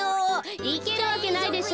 いけるわけないでしょ。